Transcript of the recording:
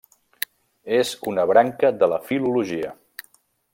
És una branca de la filologia.